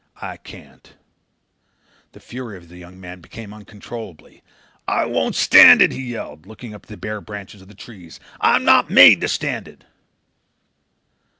I can't." The fury of the young man became uncontrollable. "I won't stand it," he yelled, looking up at the bare branches of the trees. "I'm not made to stand it."